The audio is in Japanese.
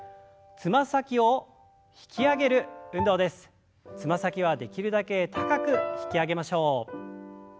つま先はできるだけ高く引き上げましょう。